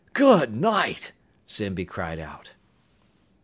"Good night!" Zimby cried out.